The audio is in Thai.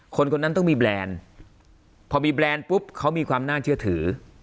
คนคนนั้นต้องมีแบรนด์พอมีแบรนด์ปุ๊บเขามีความน่าเชื่อถือ